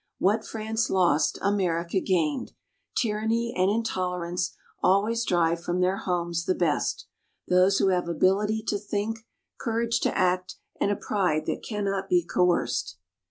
What France lost America gained. Tyranny and intolerance always drive from their homes the best: those who have ability to think, courage to act, and a pride that can not be coerced.